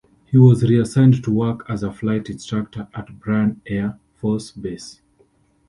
He was reassigned to work as a flight instructor at Bryan Air Force Base.